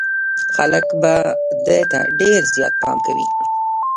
خلک به ده ته ډېر زيات پام کوي.